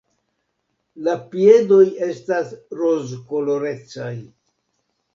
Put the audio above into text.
La piedoj estas rozkolorecaj.